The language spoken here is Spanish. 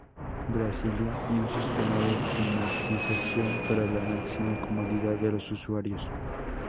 Brasilia, y un sistema de climatización para la máxima comodidad de los usuarios.